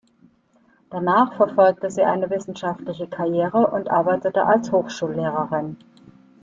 Danach verfolgte sie eine wissenschaftliche Karriere und arbeitete als Hochschullehrerin.